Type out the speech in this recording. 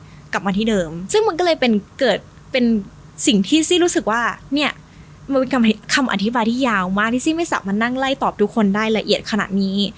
กลับมาที่เดิมซึ่งมันก็เลยเป็นเกิดเป็นสิ่งที่ซี่รู้สึกว่าเนี่ยมันเป็นคำอธิบายที่ยาวมากที่ซี่ไม่สามารถนั่งไล่ตอบทุกคนได้ละเอียดขนาดนี้